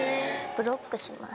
ブロックします。